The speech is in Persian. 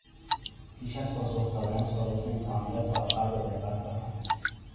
پیش از پاسخ دادن، سوالات امتحانی را تا آخر با دقت بخوانید.